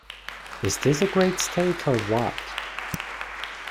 "Is This a Great State or What?